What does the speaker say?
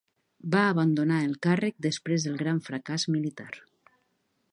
Va abandonar el càrrec després del gran fracàs militar.